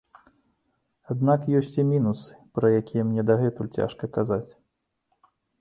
Аднак ёсць і мінусы, пра якія мне дагэтуль цяжка казаць.